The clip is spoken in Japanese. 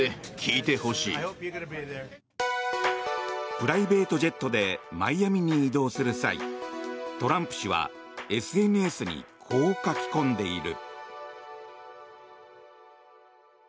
プライベートジェットでマイアミに移動する際トランプ氏はＳＮＳにこう書き込んでいる。